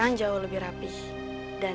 ini adalah tempat saya